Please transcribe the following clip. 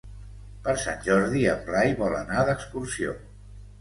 Per Sant Jordi en Blai vol anar d'excursió.